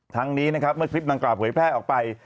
ทั้งนี้นะครับเมื่อคลิปดังกล่าเผยแพร่ออกไป